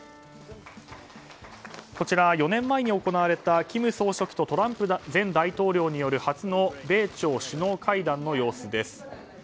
こちらは４年前に行われた金総書記とトランプ前大統領による初の米朝首脳会談の様子です。